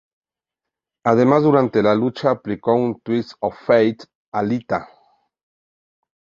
Además, durante la lucha, aplicó un "Twist of Fate" a Lita.